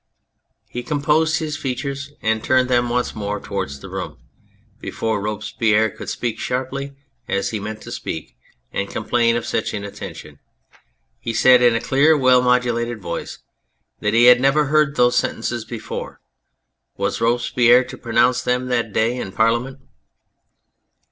He composed his features and turned them once more towards the room. Before Robespierre could speak sharply, as he meant to speak, and complain of such inattention, he said in a clear, well modulated voice, that he had never heard those sentences before. Was Robespierre to pronounce them that day in Parliament